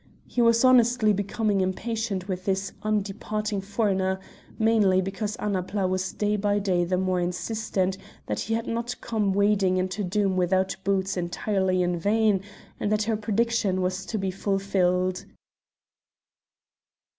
He was honestly becoming impatient with this undeparting foreigner, mainly because Annapla was day by day the more insistent that he had not come wading into Doom without boots entirely in vain, and that her prediction was to be fulfilled.